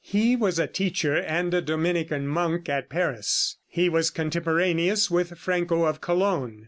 He was a teacher and a Dominican monk at Paris. He was contemporaneous with Franco of Cologne.